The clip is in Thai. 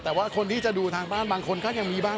แต่ว่าคนที่จะดูทางบ้านบางคนก็ยังมีบ้าง